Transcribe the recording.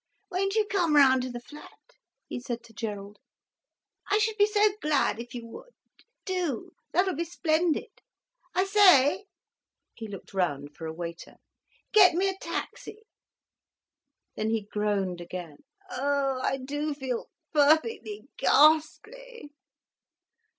Won't you come round to the flat?" he said to Gerald. "I should be so glad if you would. Do—that'll be splendid. I say?" He looked round for a waiter. "Get me a taxi." Then he groaned again. "Oh I do feel—perfectly ghastly!